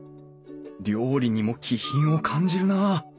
料理にも気品を感じるなあ。